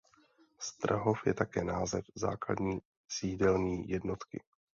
Strahov je také název základní sídelní jednotky.